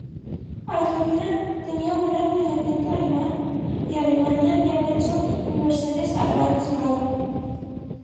Argentina tenía un gran elemento alemán y Alemania había hecho inversiones a gran escala.